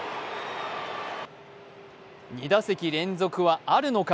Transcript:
２打席連続は、あるのか。